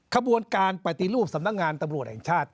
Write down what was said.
ขบวนการปฏิรูปสำนักงานตำรวจแห่งชาติ